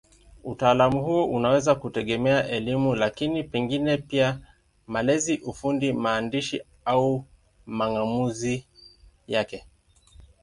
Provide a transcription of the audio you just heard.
Utaalamu huo unaweza kutegemea elimu, lakini pengine pia malezi, ufundi, maandishi au mang'amuzi yake.